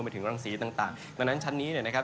ดังนั้นชั้นนี้